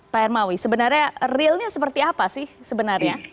pak hermawi sebenarnya realnya seperti apa sih sebenarnya